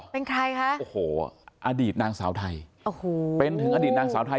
เป็นใครคะโอ้โหอดีตนางสาวไทยโอ้โหเป็นถึงอดีตนางสาวไทย